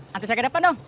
nanti jaga depan dong